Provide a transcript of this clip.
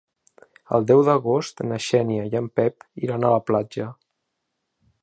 El deu d'agost na Xènia i en Pep iran a la platja.